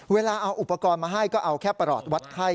เวลาเอาอุปกรณ์มาให้ก็เอาแค่ประหลอดวัดไข้